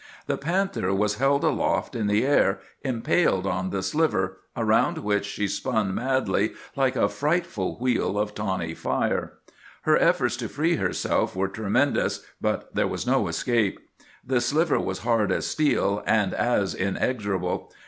The panther was held aloft in the air, impaled on the sliver, around which she spun madly like a frightful wheel of tawny fire. Her efforts to free herself were tremendous, but there was no escape. The sliver was hard as steel and as inexorable.